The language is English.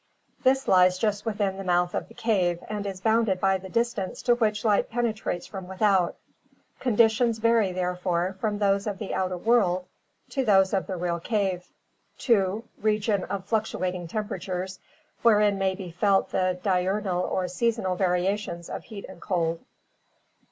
This lies just within the mouth of the cave and is bounded by the distance to which light penetrates from without. Con* ditions vary therefore from those of the outer world to those of the real cave. 2. Region of fluctuating temperatures, wherein may be felt the di urnal or seasonal variations of heat and cold.